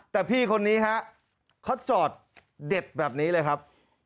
แต่พี่คนนี้ฮะเขาจอดเด็ดแบบนี้เลยครับ